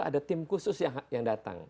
ada tim khusus yang datang